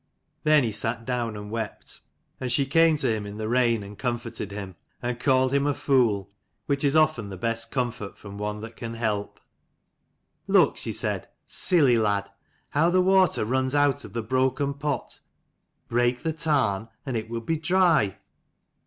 Then he sat down and wept. And she came to him in the rain and comforted him, and called him a fool, which is often the best comfort from one that can help. "Look," she said, "silly lad, how the water runs out of the broken pot. Break the tarn, and it will be dry."